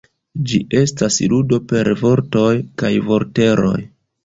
Ĝi estas ludo per vortoj kaj vorteroj.